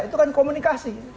itu kan komunikasi